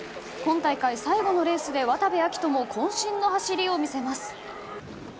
今大会最後のレースで渡部暁斗も渾身の走りを見せます。